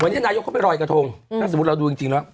วันนี้นายกเขาไปลอยกระทงถ้าสมมุติเราดูจริงแล้ว